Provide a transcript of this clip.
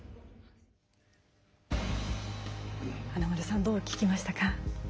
華丸さんどう聞きましたか？